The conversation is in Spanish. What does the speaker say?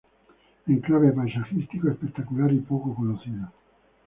Enclave paisajístico espectacular y poco conocido.